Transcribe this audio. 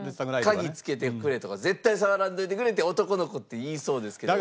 鍵付けてくれとか絶対触らんといてくれって男の子って言いそうですけど。